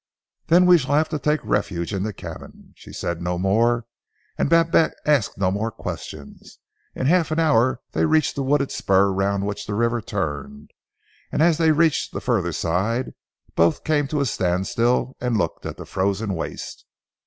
"Then we shall have to take refuge in the cabin." She said no more, and Babette asked no more questions. In half an hour they reached the wooded spur round which the river turned, and as they reached the further side, both came to a standstill and looked at the frozen waste.